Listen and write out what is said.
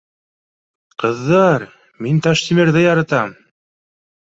— Ҡыҙҙа-ар, мин Таштимерҙе яратам